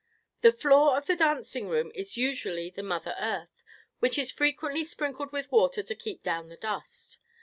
The floor of the dancing room is usually the mother earth, which is frequently sprinkled with water to keep down the dust.